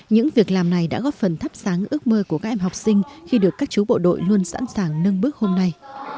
những việc làm này đã góp phần thắp sáng ước mơ của các em học sinh khi được các chú bộ đội luôn sẵn sàng nâng bước hôm nay